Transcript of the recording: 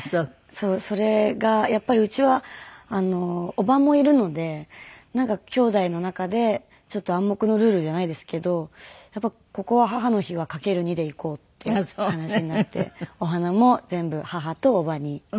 それがやっぱりうちは伯母もいるのでなんか兄妹の中でちょっと暗黙のルールじゃないですけどここは母の日は掛ける２でいこうっていう話になってお花も全部母と伯母に渡していました。